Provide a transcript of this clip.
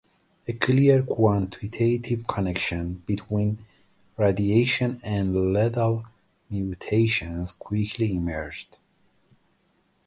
A clear, quantitative connection between radiation and lethal mutations quickly emerged.